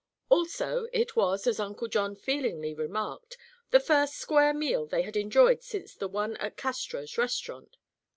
Also it was, as Uncle John feelingly remarked, "the first square meal they had enjoyed since the one at Castro's restaurant."